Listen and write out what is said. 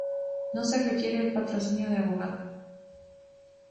No se requiere del patrocinio de abogado.